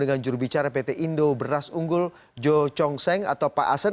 dengan jurubicara pt indo beras unggul jo congseng atau pak asen